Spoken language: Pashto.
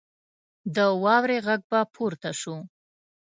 د واورې غږ به پورته شو.